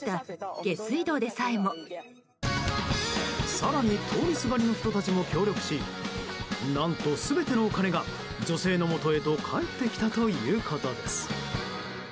更に通りすがりの人たちも協力し何と全てのお金が女性のもとへと返ってきたということです。